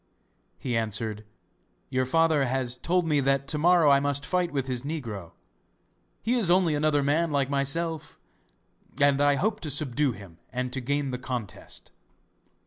He answered: 'Your father has told me that to morrow I must fight with his negro. He is only another man like myself, and I hope to subdue him, and to gain the contest.